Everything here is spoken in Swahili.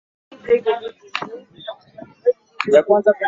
katika Wilaya za Kulia na kusini Nyanza